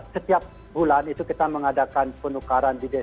setiap bulan itu kita mengadakan penukaran di desa